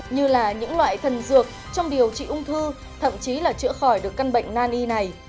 như là những loại thần dược trong điều trị ung thư thậm chí là chữa khỏi được căn bệnh nan y này